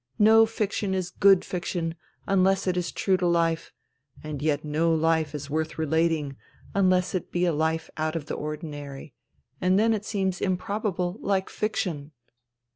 No fiction is good fiction unless it is true to life, and yet no life is worth relating unless it be a life out of the ordinary ; and then it seems improbable like fiction."